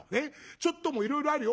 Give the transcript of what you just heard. ちょっともいろいろあるよ。